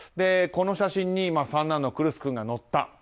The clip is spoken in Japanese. この写真に三男のクルス君が載った。